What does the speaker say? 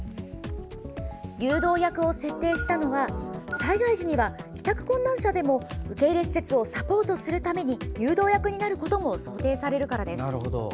誘導役を設定したのは災害時には、帰宅困難者でも受け入れ施設をサポートするために誘導役になることも想定されるからです。